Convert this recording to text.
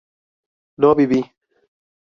no viví